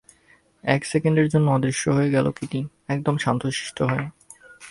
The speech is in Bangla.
এক সেকেন্ডের জন্য অদৃশ্য হয়ে গেল কিটি, একদম শান্তশিষ্ট হয়ে।